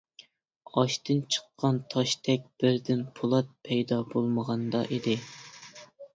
ئاشتىن چىققان تاشتەك، بىردىن پولات پەيدا بولمىغاندا ئىدى.